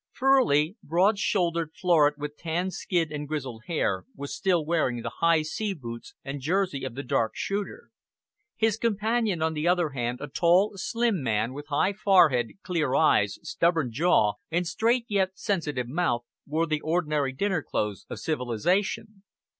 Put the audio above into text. Furley, broad shouldered, florid, with tanned skin and grizzled hair, was still wearing the high sea boots and jersey of the duck shooter. His companion, on the other hand, a tall, slim man, with high forehead, clear eyes, stubborn jaw, and straight yet sensitive mouth, wore the ordinary dinner clothes of civilisation.